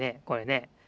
これね。